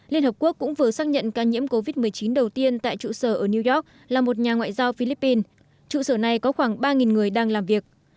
liên hợp quốc cũng vừa xác nhận ca nhiễm covid một mươi chín đầu tiên tại trụ sở ở new york là một nhà ngoại giao philippines trụ sở này có khoảng ba người đang làm việc